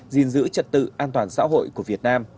gìn giữ trật tự an toàn xã hội của việt nam